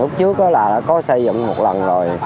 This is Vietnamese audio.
lúc trước là đã có xây dựng một lần rồi